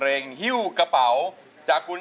ร้องได้ให้ร้าน